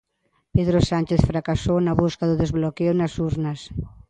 Pedro Sánchez fracasou na busca do desbloqueo nas urnas.